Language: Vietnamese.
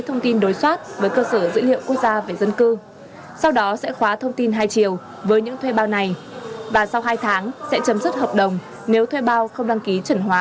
thông tin dữ liệu thông tin cá nhân của chị chưa được chuẩn hóa